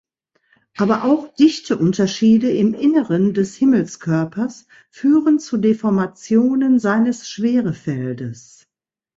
Aber auch Dichteunterschiede im Inneren des Himmelskörpers führen zu Deformationen seines Schwerefeldes.